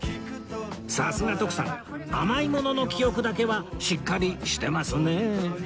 さすが徳さん甘いものの記憶だけはしっかりしてますね